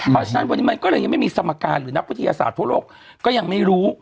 เพราะฉะนั้นวันนี้มันก็เลยยังไม่มีสมการหรือนักวิทยาศาสตร์ทั่วโลกก็ยังไม่รู้